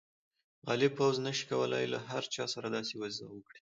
غالب پوځ نه شي کولای له هر چا سره داسې وضعه وکړي.